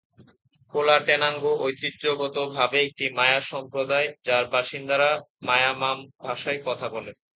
Colotenango ঐতিহ্যগতভাবে একটি মায়া সম্প্রদায় যার বাসিন্দারা মায়া মাম ভাষায় কথা বলে।